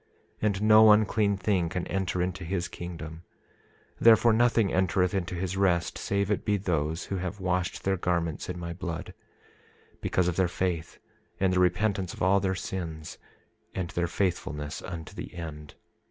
27:19 And no unclean thing can enter into his kingdom; therefore nothing entereth into his rest save it be those who have washed their garments in my blood, because of their faith, and the repentance of all their sins, and their faithfulness unto the end.